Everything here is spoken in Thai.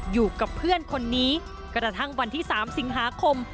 อยู่กับเพื่อนคนนี้กระทั่งวันที่๓สิงหาคม